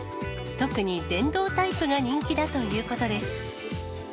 特に電動タイプが人気だということです。